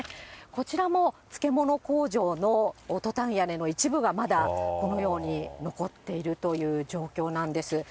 こちらも漬物工場のトタン屋根の一部がまだこのように残っているという状況なんです。